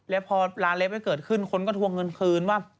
แล้วพอร้านเลฟไม่เกิดขึ้นคนก็ทวงเงินคืนว่า